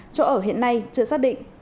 chỗ ở hiện nay chưa xác định